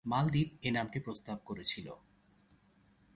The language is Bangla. মালদ্বীপ এ নামটি প্রস্তাব করেছিল।